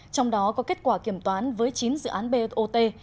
trong đó có kết quả kiểm toán với chín dự án bot